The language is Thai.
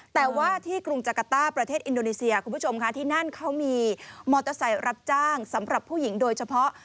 แต่ว่าที่กรุงจักรต้าประเทศอินโดนีเซียคุณผู้ชมค่ะที่นั่นเขามีมอเตอร์ไซค์รับจ้างสำหรับผู้หญิงโดยเฉพาะ